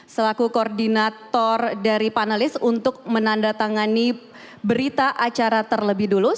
selaku koordinator dari panelis untuk menandatangani berita acara terlebih dulu